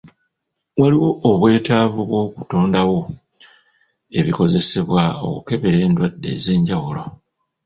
Waliwo obwetaavu bw'okutondawo ebikozesebwa okukebera endwadde ez'enjawulo.